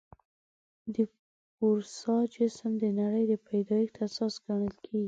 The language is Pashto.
د پوروسا جسم د نړۍ د پیدایښت اساس ګڼل کېږي.